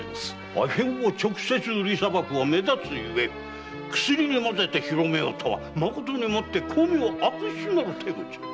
阿片を直接売りさばくのは目立つゆえ薬に混ぜて広めようとはまことに巧妙悪質なる手口。